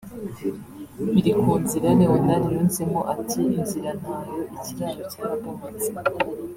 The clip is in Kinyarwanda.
Birikunzira Leonard yunzemo ati “Inzira ntayo ikiraro cyarabomotse